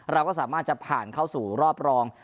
เราก็สามารถจะผ่านเข้าสู่รอบรอง